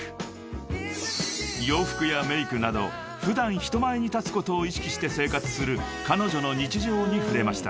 ［洋服やメークなど普段人前に立つことを意識して生活する彼女の日常に触れました］